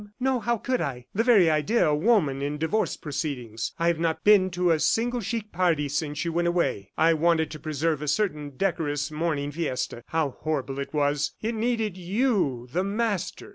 "No, how could I? The very idea, a woman in divorce proceedings! ... I have not been to a single chic party since you went away. I wanted to preserve a certain decorous mourning fiesta. How horrible it was! ... It needed you, the Master!"